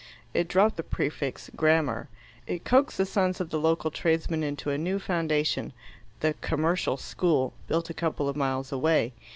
It dropped the prefix "Grammar." It coaxed the sons of the local tradesmen into a new foundation, the "Commercial School," built a couple of miles away.